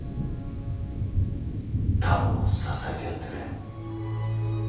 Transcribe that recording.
太郎を支えてやってくれ。